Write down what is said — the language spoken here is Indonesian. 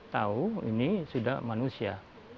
tau ini sudah manusia